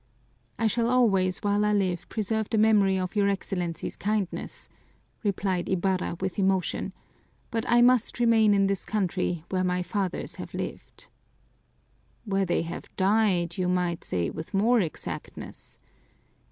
"I shall always while I live preserve the memory of your Excellency's kindness," replied Ibarra with emotion, "but I must remain in this country where my fathers have lived." "Where they have died you might say with more exactness!